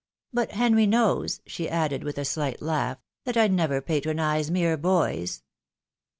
But Henry knows," she added, with a shght laugh, " that I never patronise mere boys."